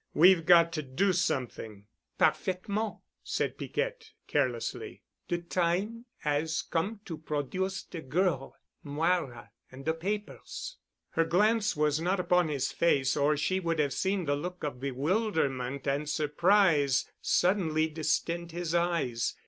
We've got to do something." "Parfaitement," said Piquette carelessly. "De time 'as come to produce de girl Moira and de papers." Her glance was not upon his face or she would have seen the look of bewilderment and surprise suddenly distend his eyes.